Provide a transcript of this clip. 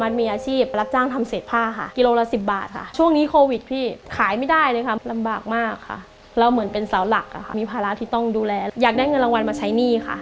อยากได้เงินรางวัลมาใช้หนี้ค่ะ